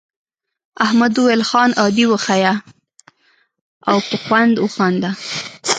احمد وویل خان عادي وښیه او په خوند وخانده.